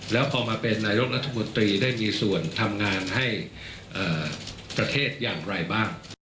แล้วพอมาเป็นนายกรัฐมนตรีได้มีส่วนทำงานให้ประเทศอย่างไรบ้าง